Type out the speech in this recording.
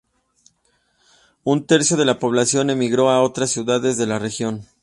Un tercio de la población emigró a otras ciudades de la región.